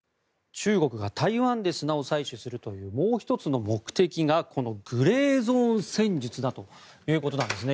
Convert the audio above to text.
中国が台湾で砂を採取するというもう１つの目的がこのグレーゾーン戦術だということなんですね。